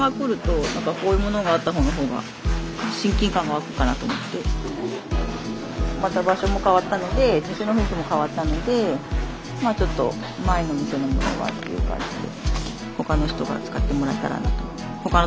大したことないんですけどまた場所も変わったので店の雰囲気も変わったのでまあちょっと前の店のものはっていう感じで。